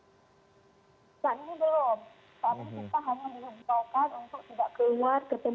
tidak ini belum